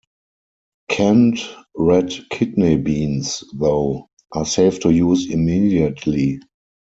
Canned red kidney beans, though, are safe to use immediately.